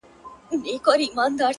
ستا اوس توره کوټه کي تنها شپې تېروي